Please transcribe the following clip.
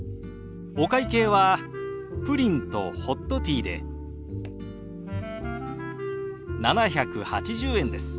お会計はプリンとホットティーで７８０円です。